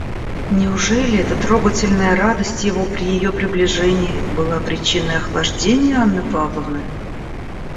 Неужели эта трогательная радость его при ее приближении была причиной охлаждения Анны Павловны?